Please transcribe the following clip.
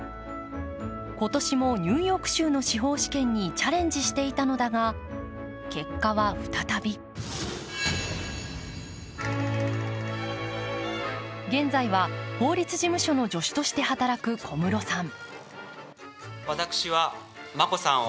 今年もニューヨーク州の司法試験にチャレンジしていたのだが結果は再び現在は、法律事務所の助手として働く小室さん。